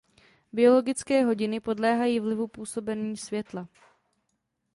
Biologické hodiny podléhají vlivu působení světla.